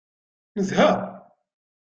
Nezha.